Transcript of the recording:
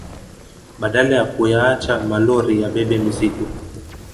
Badala ya kuyaacha malori yabebe mizigo